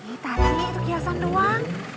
ih tarahnya itu kiasan doang